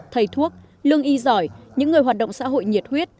thầy thuốc lương y giỏi những người hoạt động xã hội nhiệt huyết